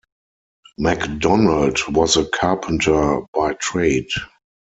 Macdonald was a carpenter by trade.